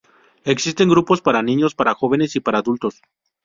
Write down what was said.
Existen grupos para niños, para jóvenes y para adultos.